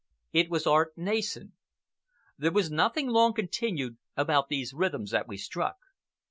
It was art nascent. There was nothing long continued about these rhythms that we struck.